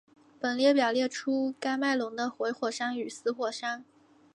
本列表列出喀麦隆的活火山与死火山。